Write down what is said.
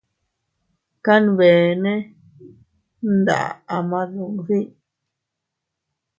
Kanbeene nda ama duddi.